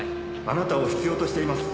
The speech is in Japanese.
「あなたを必要としています」